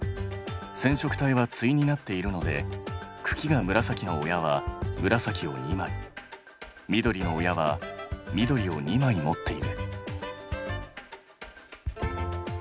染色体は対になっているので茎が紫の親は紫を２枚緑の親は緑を２枚持っている。